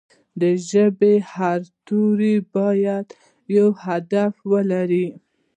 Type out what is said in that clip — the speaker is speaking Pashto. د ژبې هر توری باید یو هدف ولري.